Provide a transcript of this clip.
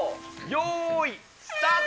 よーい、スタート。